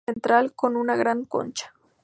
Tenía una fuente central con una gran concha.